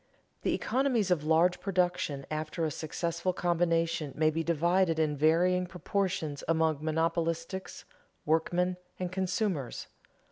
_The economies of large production after a successful combination may be divided in varying proportions among monopolists, workmen, and consumers.